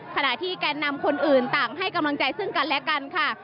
ขณะที่แกนนำคนอื่นต่างให้กำลังใจซึ่งกันและกันค่ะ